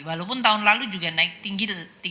walaupun tahun lalu juga naik tinggi tiga puluh enam tiga